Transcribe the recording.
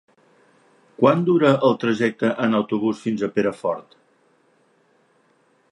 Quant dura el trajecte en autobús fins a Perafort?